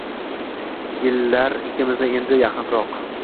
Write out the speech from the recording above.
Yillar ikkimizni etdi yaqinroq.